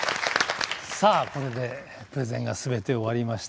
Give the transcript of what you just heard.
さあこれでプレゼンが全て終わりましたが。